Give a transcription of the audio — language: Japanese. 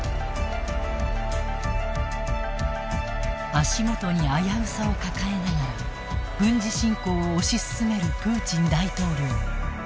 足元に危うさを抱えながら軍事侵攻を推し進めるプーチン大統領。